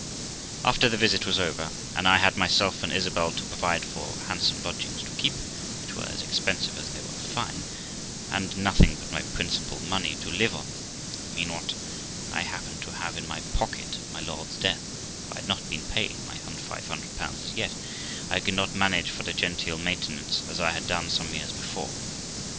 After this visit was over, and I had myself and Isabel to provide for, handsome lodgings to keep (which were as expensive as they were fine), and nothing but my principal money to live on (I mean what I happened to have in my pocket at my lord's death, for I had not been paid my ,$00 as yet), I could not manage for a genteel maintenance as I had done some years before.